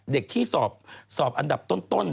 เด็กที่สอบอันดับต้น